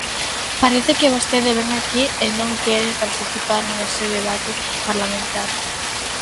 Parece que vostede vén aquí e non quere participar nese debate parlamentario.